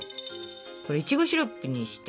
これいちごシロップにして。